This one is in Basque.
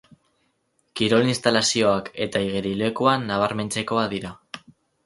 Kirol instalazioak eta igerilekua nabarmentzekoa dira.